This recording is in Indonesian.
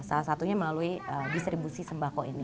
salah satunya melalui distribusi sembako ini